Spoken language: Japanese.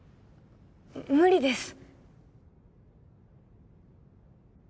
無理です。